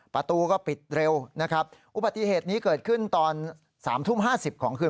ประตูก็ปิดเร็วนะครับอุบัติเหตุนี้เกิดขึ้นตอน๓ทุ่ม๕๐ของคืน